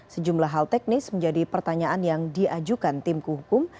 sejumlah hal teknis menjadi pertanyaan yang diajukan tim kuhukum